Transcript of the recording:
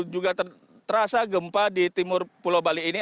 juga terasa gempa di timur pulau bali ini